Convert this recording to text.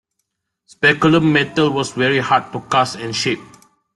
Speculum metal was very hard to cast and shape.